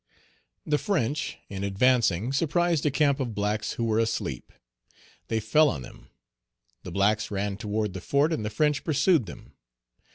The French, in advancing, surprised a camp of blacks who were asleep. They fell on them; the blacks ran toward the fort and the French pursued them.